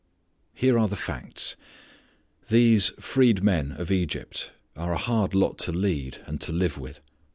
Here are the facts. These freed men of Egypt are a hard lot to lead and to live with.